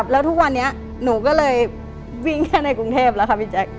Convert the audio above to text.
แล้วทุกวันนี้หนูก็เลยวิ่งแค่ในกรุงเทพแล้วค่ะพี่แจ๊ค